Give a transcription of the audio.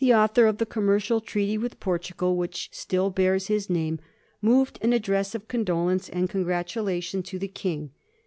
author of the commercial treaty with Portugal which still bears his name, moved an address of condolence and congratulation to the King.